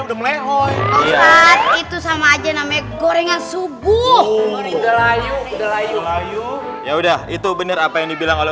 udah melehoihat itu sama aja namanya gorengan subuh igalayu layu ya udah itu bener apa yang dibilang oleh